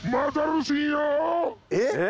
えっ？